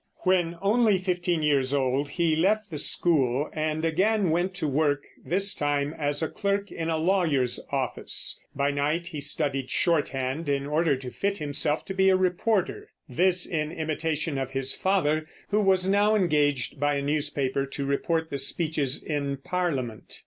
When only fifteen years old, he left the school and again went to work, this time as clerk in a lawyer's office. By night he studied shorthand, in order to fit himself to be a reporter, this in imitation of his father, who was now engaged by a newspaper to report the speeches in Parliament.